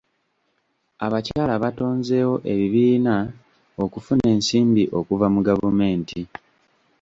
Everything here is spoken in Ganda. Abakyala batonzeewo ebibiina okufuna ensimbi okuva mu gavumenti.